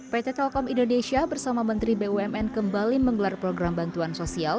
pt telkom indonesia bersama menteri bumn kembali menggelar program bantuan sosial